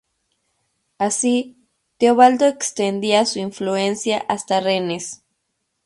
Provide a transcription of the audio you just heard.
Así, Teobaldo extendía su influencia hasta Rennes.